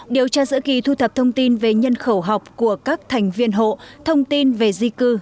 điều tra giữa kỳ thu thập thông tin về nhân khẩu học của các thành viên hộ thông tin về di cư